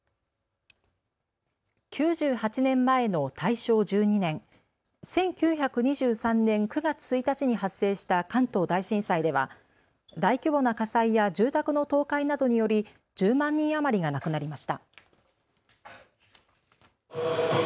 ９８年前の大正１２年、１９２３年９月１日に発生した関東大震災では大規模な火災や住宅の倒壊などにより１０万人余りが亡くなりました。